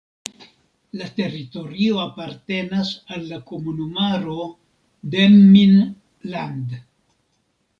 La teritorio apartenas al la komunumaro Demmin-Land.